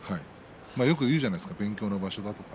よく言うじゃないですか勉強の場所だと。